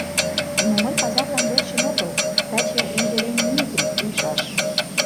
Но мый пазарлан верчын огыл: таче юбилейный митинг лийшаш.